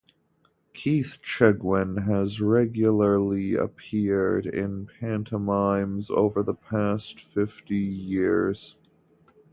Keith Chegwin has regularly appeared in pantomimes over the past fifty years.